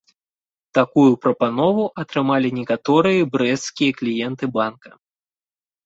Такую прапанову атрымалі некаторыя брэсцкія кліенты банка.